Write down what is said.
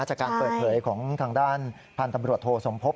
จากการเปิดเผยของทางด้านพันธุ์ตำรวจโทสมภพ